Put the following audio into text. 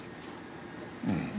うん。